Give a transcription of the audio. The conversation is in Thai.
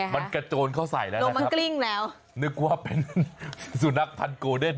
มันกระโจนเข้าใส่แล้วนะครับนึกว่าเป็นสุนัขทันโกเดน